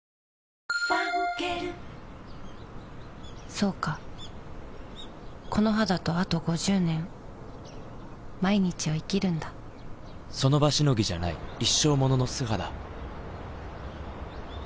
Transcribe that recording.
そうかこの肌とあと５０年その場しのぎじゃない一生ものの素肌